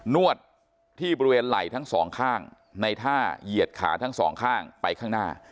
นวดที่บริเวณไหล่ทั้งสองข้างในท่าเหยียดขาทั้งสองข้างไปข้างหน้า